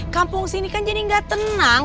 kampung sini kan jadi gak tenang